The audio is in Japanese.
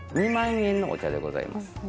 ２万円のお茶でございます